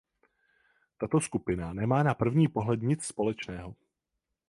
Tato skupina nemá na první pohled nic společného.